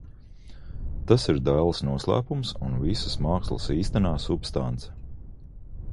Tas ir dailes noslēpums un visas mākslas īstenā substance.